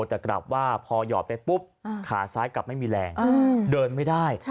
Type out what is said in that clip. แต่กลับว่าพอหยอดไปปุ๊บขาซ้ายกลับไม่มีแรงเดินไม่ได้